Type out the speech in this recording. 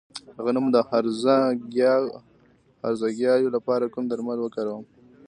د غنمو د هرزه ګیاوو لپاره کوم درمل وکاروم؟